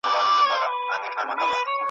له یوې خوني تر بلي پوری تلله ,